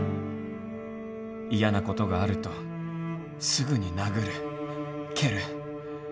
嫌な事があるとすぐに殴る蹴る。